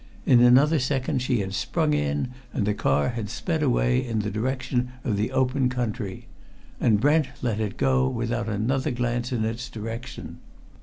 In another second she had sprung in, and the car had sped away in the direction of the open country. And Brent let it go, without another glance in its direction.